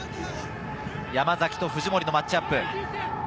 山崎と藤森のマッチアップ。